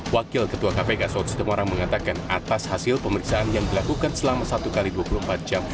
wakil ketua kpk saud sitomorang mengatakan atas hasil pemeriksaan yang dilakukan selama satu x dua puluh empat jam